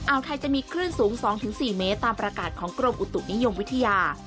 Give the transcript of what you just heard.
วไทยจะมีคลื่นสูง๒๔เมตรตามประกาศของกรมอุตุนิยมวิทยา